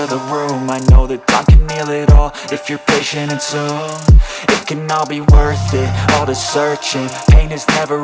terima kasih banyak terima kasih banyak